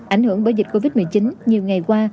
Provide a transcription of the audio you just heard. ảnh hưởng bởi dịch covid một mươi chín nhiều ngày qua